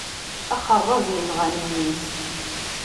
Axeṛṛaz inɣan mmi-s.